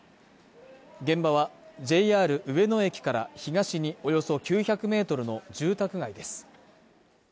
現場はＪＲ上野駅から東におよそ９００メートルの住宅街です。